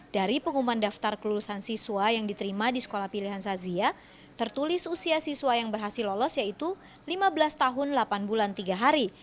dari pengumuman daftar kelulusan siswa yang diterima di sekolah pilihan sazia tertulis usia siswa yang berhasil lolos yaitu lima belas tahun delapan bulan tiga hari